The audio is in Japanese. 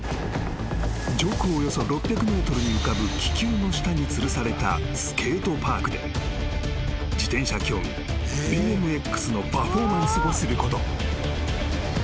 ［上空およそ６００ｍに浮かぶ気球の下につるされたスケートパークで自転車競技ＢＭＸのパフォーマンスをすること］